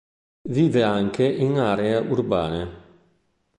Vive anche in aree urbane.